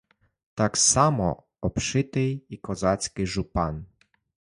Так само обшитий і козацький жупан.